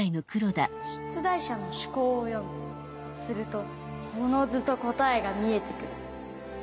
出題者の思考を読むするとおのずと答えが見えて来る